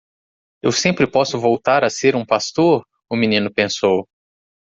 Eu sempre posso voltar a ser um pastor? o menino pensou.